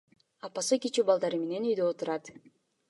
Апасы кичүү балдары менен үйдө отурат.